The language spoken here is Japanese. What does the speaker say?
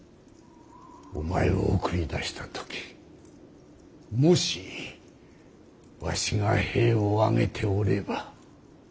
お前を送り出した時もしわしが兵を挙げておれば。